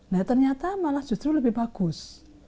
nah ternyata malah justru lebih bagus